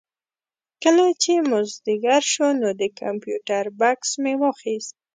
کله چې مازدیګر شو نو د کمپیوټر بکس مې واخېست.